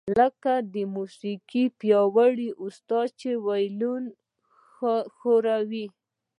لکه د موسیقۍ یو پیاوړی استاد چې وایلون ښوروي